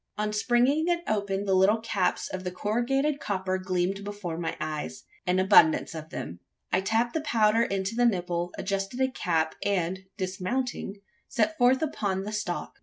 On springing it open the little caps of corrugated copper gleamed before my eyes an abundance of them. I tapped the powder into the nipple; adjusted a cap; and, dismounting, set forth upon the stalk.